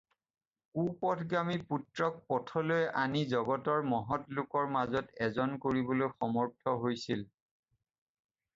কুপথগামী পুত্ৰক পথলৈ আনি জগতৰ মহৎ লোকৰ মাজৰ এজন কৰিবলৈ সমৰ্থ হৈছিল